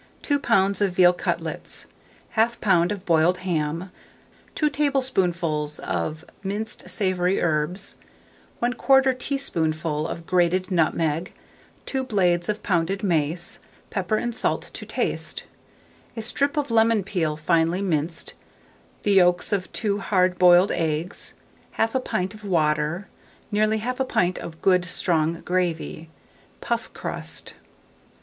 2 lbs. of veal cutlets, 1/2 lb. of boiled ham, 2 tablespoonfuls of minced savoury herbs, 1/4 teaspoonful of grated nutmeg, 2 blades of pounded mace, pepper and salt to taste, a strip of lemon peel finely minced, the yolks of 2 hard boiled eggs, 1/2 pint of water, nearly 1/2 pint of good strong gravy, puff crust.